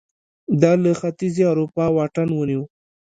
دا له ختیځې اروپا واټن ونیو